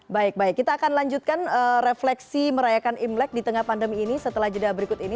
baik baik kita akan lanjutkan refleksi merayakan imlek di tengah pandemi ini setelah jeda berikut ini